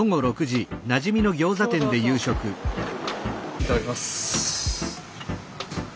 いただきます。